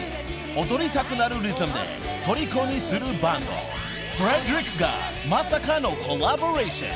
踊りたくなるリズムでとりこにするバンドフレデリックがまさかのコラボレーション］